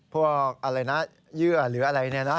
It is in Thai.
พวกอะไรนะเยื่อหรืออะไรเนี่ยนะ